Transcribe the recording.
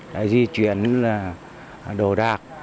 để di chuyển đồ đạc di rời đến nơi an toàn